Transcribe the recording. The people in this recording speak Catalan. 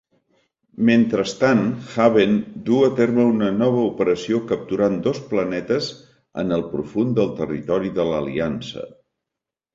Mentrestant, Haven duu a terme una nova operació capturant dos planetes en el profund del territori de l'Aliança.